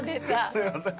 すいません